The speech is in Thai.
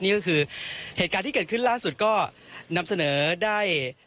นี่ก็คือเหตุการณ์ที่เกิดขึ้นล่าสุดก็นำเสนอได้